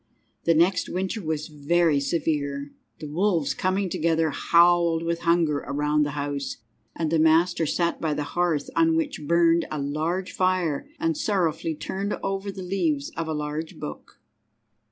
The next winter was very severe. The wolves, coming together, howled with hunger around the house, and the master sat by the hearth, on which burned a large fire, and sorrowfully turned over the leaves of a large book.